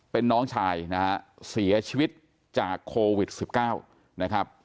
เป็นน้องชายนะฮะเสียชีวิตจากโควิด๑๙นะครับ